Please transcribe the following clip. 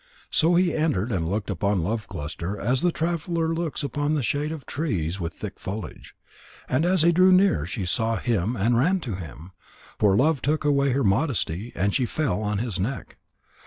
So he entered and looked upon Love cluster as the traveller looks upon the shade of trees with thick foliage. And as he drew near, she saw him and ran to him, for love took away her modesty, and she fell on his neck.